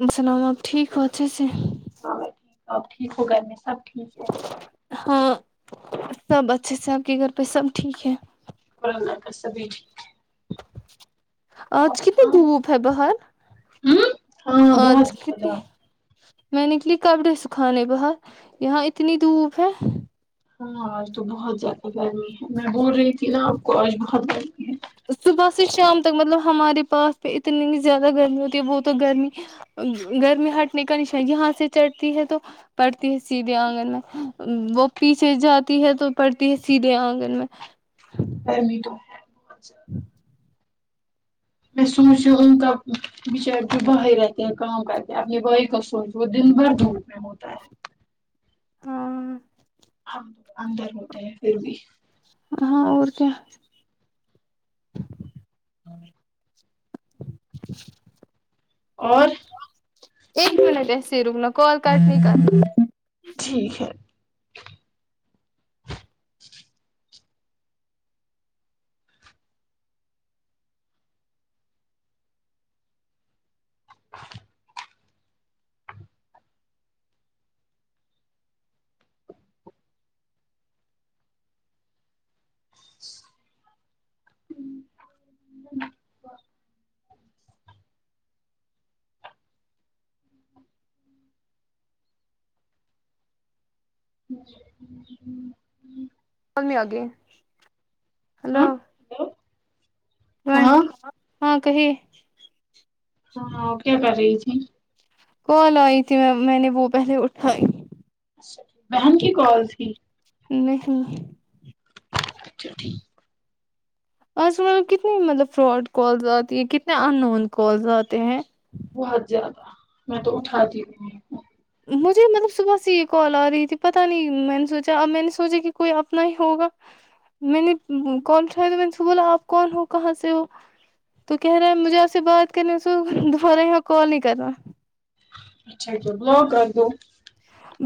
والسلام آپ ٹھیک ہو اچھے سے ہاں میں ٹھیک ہوں آپ ٹھیک ہو گھر میں سب ٹھیک ہے ہاں سب اچھے سے آپ کے گھر پہ سب ٹھیک ہے کرنا کس بھی [unintelligible] آج کتنی سناؤ دھوپ ہے باہر ہوں ہاں آج بہت کتنی زیادہ میں نکلی کپڑے سکھانے باہر یہاں اتنی دھوپ ہے ہاں آج تو بہت زیادہ گرمی ہے میں بول رہی تھی نا آپ کو آج بہت گرمی ہے صبح سے شام تک مطلب ہمارے پاس پہ اتنی زیادہ گرمی ہوتی ہے وہ تو گرمی گرمی ہٹنے کا نشان یہاں سے چڑھتی ہے تو پڑتی ہے سیدھے آنگن میں وہ پیچھے جاتی ہے تو پڑتی ہے سیدھے آنگن میں گرمی تو بہت [inaudible] [unintelligible] بیچارے جو باہر رہتے ہیں کام کرتے اب یہ بھائی کا سوچ وہ دن بھر دھوپ میں ہوتا ہے ہاں ہم اندر ہوتے ہیں پھر بھی ہاں اور کیا [unintelligible] اور ایک منٹ ایسے ہی رکنا کال کاٹ نہیں کرنا ٹھیک ہے [unintelligible] [unintelligible] ہلو ہاں [unintelligible] ہاں ہاں کہیے ہاں آپ کیا کررہی تھیں کال آئی تھی میں میں نے وہ پہلے اٹھائی بہن کی کال تھی نہیں اچھا ٹھیک آج کل کتنی مطلب فراڈ کالز آتی ہیں کتنے ان نون کالز آتے ہیں بہت زیادہ میں تو اٹھاتی بھی نہیں ہوں مجھے مطلب صبح سے یہ کال آ رہی تھی پتہ نہیں میں نے سوچا اب میں نے سوچا کہ کوئی اپنا ہی ہوگا کال اٹھاۓ بعد سے بولا آپ کون ہو کہاں سے ہو تو کہہ رہا ہے مجھے آپ سے بات کرنے سے دوبارہ یہاں کال نہیں کرنا اچھا اچھ بلاک کر دو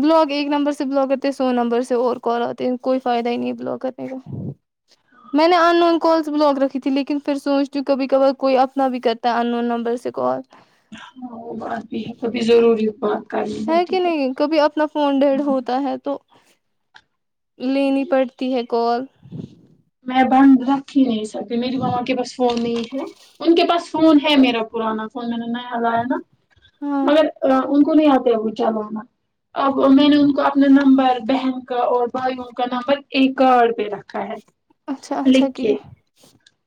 بلاک ایک نمبر سے بلاک کرتے ہیں سو نمبر سے اور کال آتے ہیں کوئی فائدہ ہی نہیں ہے بلاک کرنے کا میں نے ان نون کالس بلاک رکھی تھی لیکن پھر سوچتی ہوں کبھی کبار کوئی اپنا بھی کرے ان نون نمبر سے کال ہاں وہ بات بھی ہے کبھی ضروری بات کرنی ہے ہوتی کہ نہیں کبھی اپنا فون ڈیڈ ہوتا ہے تو لینی پڑتی ہے کال میں بند رکھ ہی نہیں سکتی میری ماما کہ بس فون نہیں ہے ان کے پاس فون ہے میرا پرانا فون میں نے نیا لایا نا ہاں مگر ا ان کو نہیں آتے ابھی چلانا اب میں نے ان کو اپنا نمبر بہن کا اور بھائیوں کا نمبر ایک کارڈ پہ رکھا ہے اچھا اچھا لکھ کیا کے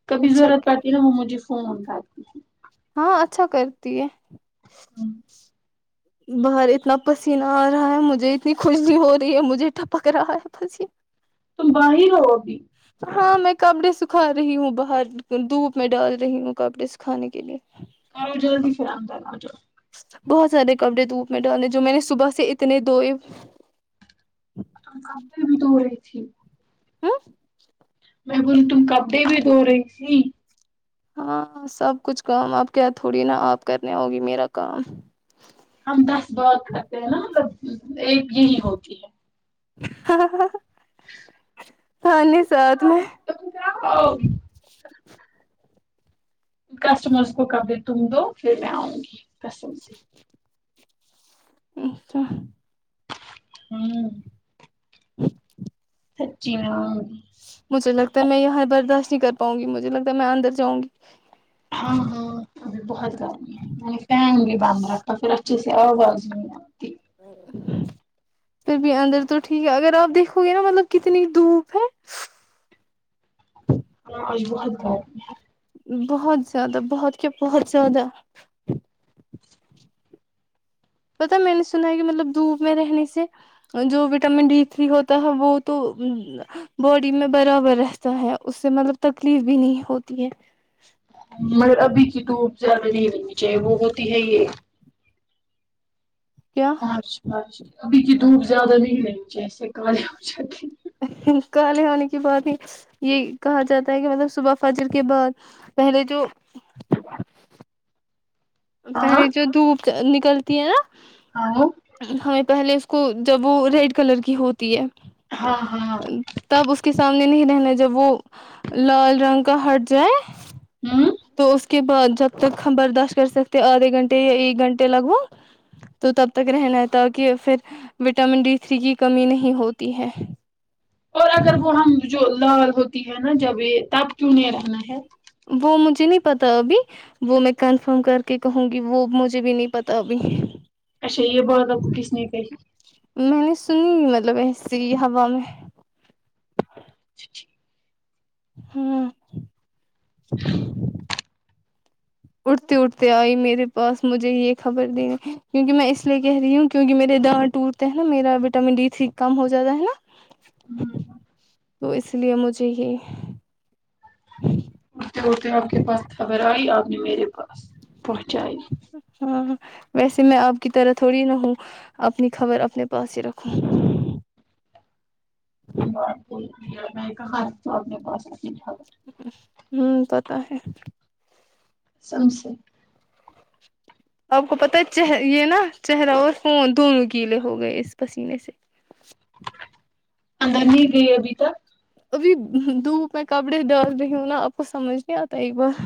کبھی ضرورت پڑتی ہے نا وہ مجھے فون کرتی تھی ہاں اچھا کرتی ہے [inaudible] باہر اتنا پسینہ آ رہا ہے مجھے اتنی خوشی ہو رہی ہے مجھے ٹپک رہا ہے پسیینہ تم باہر ہو ابھی ہاں میں کپڑے سکھا رہی ہوں باہر دھوپ میں ڈال رہی ہوں کپڑے سکھانے کے لیے کرو جلدی پھر اندر آجاو بہت سارے کپڑے دھوپ میں ڈالے جو میں نے صبح سے اتنے دھوۓ ابھی دھورہی تھی ھم میں بولی تم کپڑے بھی دھورہی تھی ہاں سب کچھ کام آپ کیا تھوڑی نه آپ کرنے ہوگی میرا کام ہم دس بارکرتے ہیں نا ایک یہی ہوتی ہے یعنی ساتھ میں کسٹمبرس کو کبھی تم دو پھر میں آؤنگی کسٹمبرس اچھا ھمم سچی میں آؤں گی مجھے لگتا ہے میں یہاں برداشت نہیں کر پاؤنگی مجھے لگتا ہے میں اندر جاؤںگی ہاں ہاں ابھی بہت گرمی ہے میں نے فین بھی بند رکھا ہے اور پھر اچھے سے آواز نہیں آتی پھر بھی اندر تو ٹھیک ہے اگر آپ دیکھو گے نا مطلب کتنی دھوپ ہے ہاں بہت ہے بہت زیادہ بہت کیا بہت زیادہ پتا ہے میں نے سنا ہے کہ مطلب دھوپ میں رہنے سے جو وٹامن ڈی تری ہوتا ہے وہ تو باڈی میں برابر رہتا ہے اس سے مطلب تکلیف بھی نہیں ہوتی ہے مگر ابھی کی تو زیادہ نہیں لگنی چاہیے وہ ہوتی ہے یہ کیا مارچ مارچ ابھی کی دھوپ زیادہ بھی ہے جیسے کالے ہو جاتے کالے ہونے کی بات نہیں یہ کہا جاتا ہے کہ مطلب صبح فجر کے بعد پہلے جو ہاں پہلے جو دھوپ نکلتی ہے نا ہاں ہمیں پہلے اس کو جب وہ ریڈ کلر کی ہوتی ہے ہاں ہاں تب اس کے سامنے نہیں رہنا جب وہ لال رنگ کا ہٹ جائے ھمم تو اس کے بعد جب تک ہم برداشت کر سکتے آدھے گھنٹے یا ایک گھنٹے لگبھگ تو تب تک رہنا ہے تاکہ پھر وٹامن ڈی تری کی کمی نہیں ہوتی ہے اور اگر وہ ہم جو لال ہوتی ہے نا جب یہ تب کیوں نہیں رہنا ہے وہ مجھے نہیں پتا ابھی وہ میں کنفرم کر کے کہوںگی وہ مجھے بھی نہیں پتا ابھی اچھا یہ بات آپکو کس نے کہی میں نے سنی مطلب ایسی ہی ہوا میں اچھا ٹھیک۔ ھمم اٹھتے اٹھتے آئی میرے پاس مجھے یہ خبر دینے کیونکہ میں اس لیے کہہ رہی ہوں کیونکہ میرے دانت ٹوٹتے ہے نا میرا وٹامن ڈی تری کم ہو جاتا ہے نا ہوں تو اس لیے مجھے یہ اڑتے اڑتے آپ کے پاس خبر آئی آپ نے میرے پاس پہنچائی ہاں ویسے میں آپ کی طرح تھوڑی نہ ہوں اپنی خبر اپنے پاس ہی رکھوں بات تو ایک ہی ہےمیں کہا آپکے پاس آکے جھانکتی ھمم پتا ہے سم سے آپ کو پت ہے چہ یہ نا چہرہ اور فون دونوں گیلے ہو گئے اس پسینے سے اندر نہیں گئی ابھی تک ابھی دھوپ میں کپڑے ڈال رہی ہوں نا آپ کو سمجھ نہیں آتا ایک بار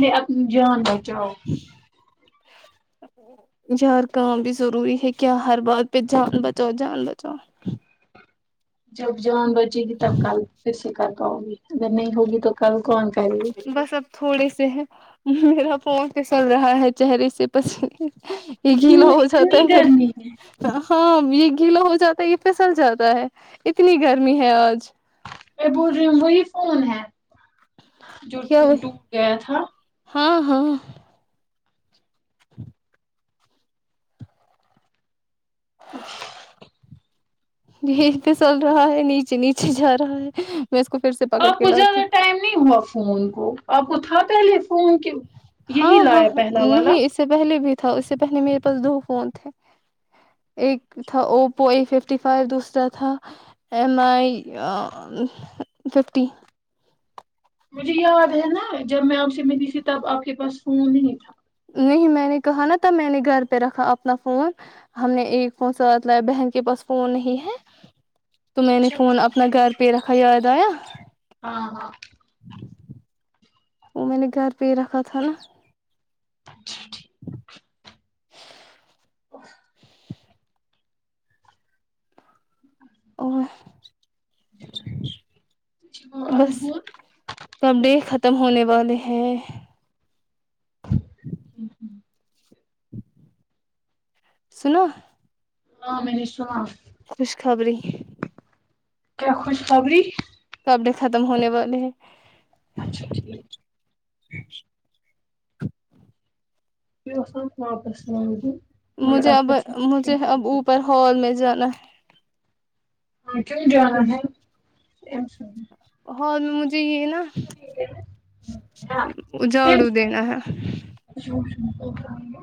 کے اپنی جان بچاؤ جی یار کام بھی ضروری ہے کیا ہر بات پہ جان بچاؤ جان بچاؤ جب جان بچے گی تب کل پھر سے کر پاؤ گی اگر نہیں ہوگی تو کل کون کرے گی بس اب تھوڑے سےہی میرا فون پسل رہا ہے چہرے سے پنے یہ اتنی گیلا ہو جاتا اتنی ہے گرمی ہے پھر ہاں یہ گیلا ہو جاتا ہے یہ پھسل جاتا ہے اتنی گرمی ہے آج بول رہی ہوں وہی فون ہے کیا جوٹک گیا تھا ہاں ہاں نھیچ پسل رہا ہے نیچے نیچے جا رہا ہے میں اس کو پھر سے پکڑ آپ کے کو لاتی زیادہ ٹائم نہیں ہوا فون کو آپ کو تھا پہلے خون کہ ہاں یہی ہاں لایا پہلا والا نہیں اس سے پہلے بھی تھا اس سے پہلے میرے پاس دو فون تھے ایک تھا اوپو ا ففٹی فائیو دوسرا تھا ایم آئی ففٹی مجھے یاد ہے نا جب میں آپ سے ملی تھی تب آپ کے پاس فون نہیں تھا نہیں میں نے کہا نا تب میں نے گھر پہ رکھا اپنا فون ہم نے ایک فون سات لئ بہن کے پاس فون نہیں ہے تو میں نے اچھا فون ٹھیک اپنا گھر پہ رکھا یاد آیا ہاں ہاں وہ میں نے گھر پہ ہی رکھا تھا نا اچھا اچہ اور بس کپ ڈے ختم ہونے والے ہیں ٹھ سناو ہاں میں نےشواں خوش خبرییں کیا خوش خبری کپڑے ختم ہونے والے ہیں اچھا ٹھیک واپس رانگن مجھے اب مجھے اب اوپر ہال میں جانا ہے ہاں کیوں جانا ہے ایس ہال مجھے یہ نا ٹھیک ہے اجھاڑو دینا ہے شو شو تو ہاں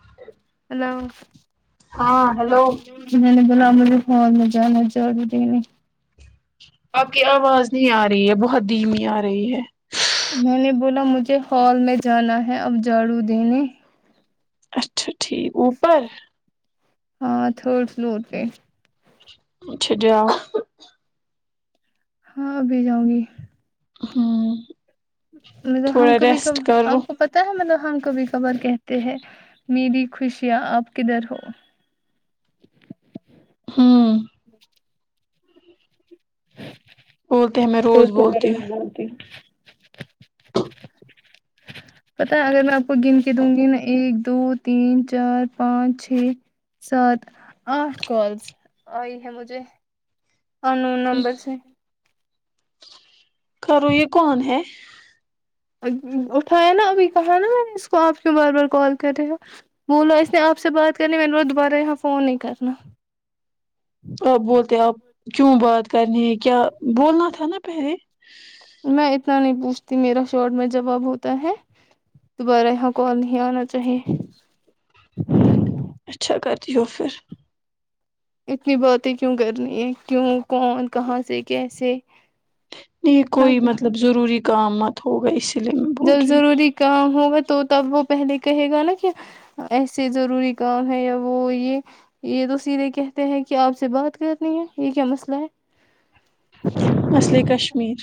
اچہ ہلو جی نے بلااملی فون میں جانا چڑ د نہیں آپ کی آواز نہیں آ رہی ہے بہت دھیمی آ رہی ہے میں نے بولا مجھے ہال میں جانا ہے اب جھاڑو دینے اچھا ٹھیک اوپر ہاں تھرڈ فلور پہ اچھا جاو ہاں ابھی جاؤں گی ہاں مطلب ہم کبھی کب کرو کو پ تا ہے ہمطلب ہم کبھی کبھار کہتے ہیں میری خوشیاں آپ کدھر ہو ام بولتے ہیں میں روز بولتی ہوں جی پتا ہے اگر میں آپ کو گن کے دوں گی نا ایک دو تین چار پانچ چھ سات آٹھ کالس آئی ہیں مجھے اور نون نمبر سے کرو یہ کون ہے اٹھایا نا ابھی کہا نا میں نے اس کو آپ کے بار بار کال کرے ہیں بولو اس نے آپ سے بات کرنی میں نے دوبارہ یہاں فون نہیں کرنا آپ بولتے آپ کیوں بات کرنی ہے کیا بولنا تھا نا پہلے میں اتنا نہیں پوچھتی میرا شارٹ میں جواب ہوتا ہے دوبارہ یہاں کال نہیں آنا چاہیے اچھا کرتی ہو پھر اتنی باتیں کیوں کرنی ہیں کیوں کون کہاں سے کیسے یہ اتنا کوئی کیوں مطلب ضروری کام مت ہوگا اس جب ضروری کام ہوگا تو تب وہ پہلے کہے گا نا کیا ایسے ضروری کام ہے یا وہ یہ یہ تو سیدھے کہتے ہیں کہ آپ سے بات کرنی ہے یہ کیا مسئلہ ہے مسئلے کشمیر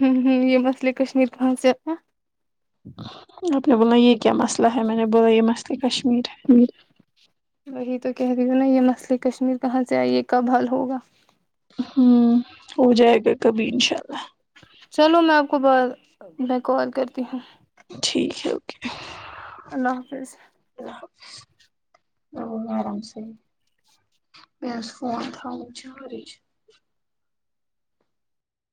ہوں ہوں یہ مسئلے کشمیر پہنچ جاتا آپ نے بولا یہ کیا مسئلہ ہے میں نے بولا یہ مسئلہ کشمیر ہے وہی تو کہہ رہی ہوں نا یہ مسئلے کشمیر کہاں سے آئی یہ کب حل ہوگا ہوں ہو جائے گا کبھی انشاء اللہ چلو میں آپ کو ب میں کال کرتی ہوں ٹھیک ہے اوکے اللہ حافظ وہ آم سے میرا فون تھاوں چارچ